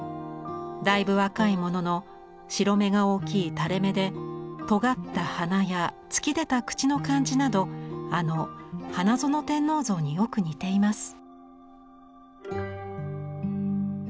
だいぶ若いものの白目が大きい垂れ目でとがった鼻や突き出た口の感じなどあの「花園天皇像」によく似ています。